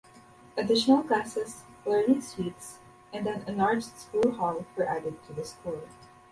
Additional classes, learning suites and an enlarged school hall were added to the school.